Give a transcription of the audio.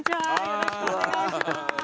よろしくお願いします。